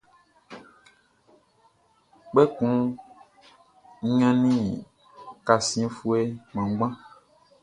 Kpɛkun n ɲannin kasiɛnfuɛ kpanngban.